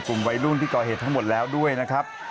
กลุ่มวัยรุ่นที่ก่อเหตุทั้งหมดแล้วด้วยนะครับ